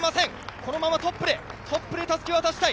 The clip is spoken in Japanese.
このままトップでたすきを渡したい。